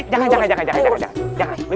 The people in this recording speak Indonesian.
jangan jangan jangan